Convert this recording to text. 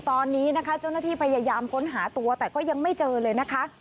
ตอนนี้นะคะเจ้าหน้าที่พยายามค้นหาตัวแต่ก็ยังไม่เจอเลยนะคะ